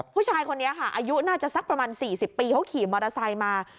ผู้ชายคนนี้ค่ะอายุน่าจะสักประมาณ๔๐ปีเขาขี่มอเตอร์ไซค์มา